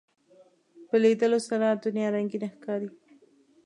په لیدلو سره دنیا رنگینه ښکاري